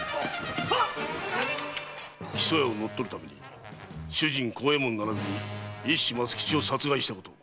木曽屋を乗っ取るために主人の幸右衛門ならびに一子・松吉を殺害したこと。